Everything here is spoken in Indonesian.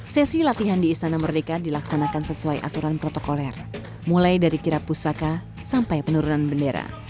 sesi latihan di istana merdeka dilaksanakan sesuai aturan protokoler mulai dari kira pusaka sampai penurunan bendera